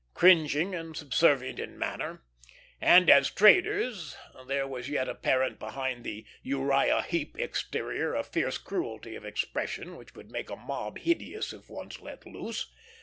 Cringing and subservient in manner, and as traders, there was yet apparent behind the Uriah Heap exterior a fierce cruelty of expression which would make a mob hideous, if once let loose.